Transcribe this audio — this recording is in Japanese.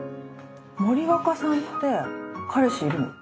森若さんって彼氏いるの？